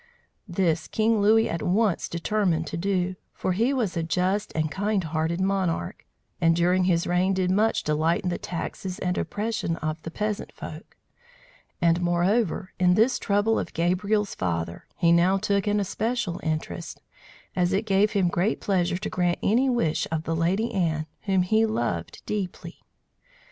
This King Louis at once determined to do, for he was a just and kind hearted monarch, and during his reign did much to lighten the taxes and oppression of the peasant folk; and, moreover, in this trouble of Gabriel's father, he now took an especial interest, as it gave him great pleasure to grant any wish of the Lady Anne, whom he loved deeply.